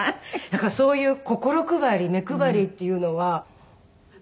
だからそういう心配り目配りっていうのはすごいなって。